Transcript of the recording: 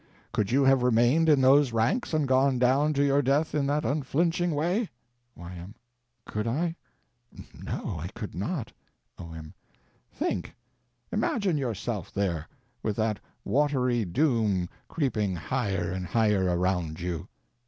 Could you have remained in those ranks and gone down to your death in that unflinching way? Y.M. Could I? No, I could not. O.M. Think. Imagine yourself there, with that watery doom creeping higher and higher around you.